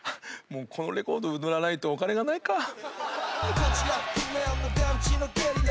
もうこのレコード売らないとお金がないか。